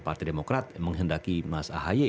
partai demokrat menghendaki mas ahy